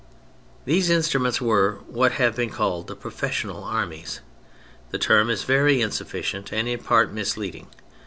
These instruments were what have been called the " professional " armies. The term is very insufficient, and, in part, misleading.